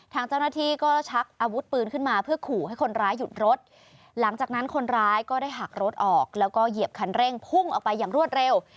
ทางเจ้าหน้าที่ก็ชักอาวุธปืนขึ้นมาเพื่อขู่ให้คนร้ายหยุดรถหลังจากนั้นคนร้ายก็ได้หักรถออกแล้วก็เหยียบคันเร่งพุ่งออกไปอย่างรวดเร็ว